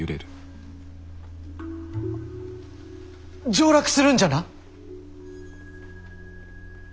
上洛するんじゃな？